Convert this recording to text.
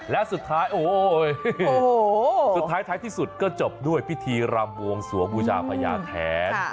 และสุดท้ายโอ้โหสุดท้ายท้ายที่สุดก็จบด้วยพิธีรำบวงสวงบูชาพญาแทน